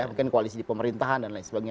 mungkin koalisi pemerintahan dan lain sebagainya